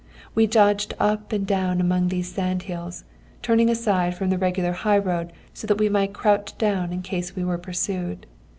We dodged up and down among these sand hills, turning aside from the regular high road so that we might crouch down in case we were pursued.